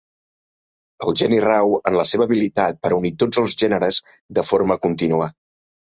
El geni rau en la seva habilitat per unir tots els gèneres de forma contínua.